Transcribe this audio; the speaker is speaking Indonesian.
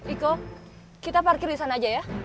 iko kita parkir di sana aja ya